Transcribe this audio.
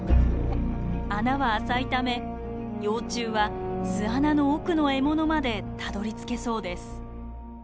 穴は浅いため幼虫は巣穴の奥の獲物までたどりつけそうです。